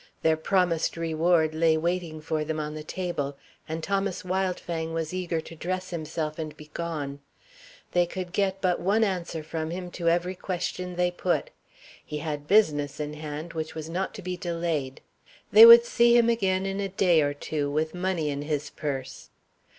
Their promised reward lay waiting for them on the table, and Thomas Wildfang was eager to dress himself and be gone. They could get but one answer from him to every question they put. He had business in hand, which was not to be delayed. They would see him again in a day or two, with money in his purse.